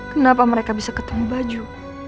kenapa mereka bisa ketemu baju